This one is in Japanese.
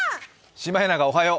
シマエナガおはよう。